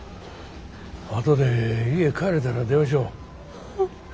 あとで家帰れたら電話しよう。